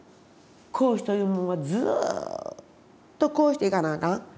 講師というもんはずっとこうしていかなあかん。